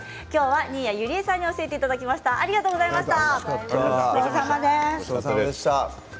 新谷友里江さんに教えていただきました、ありがとうございました。